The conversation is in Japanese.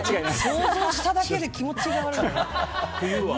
想像しただけで気持ちが悪い。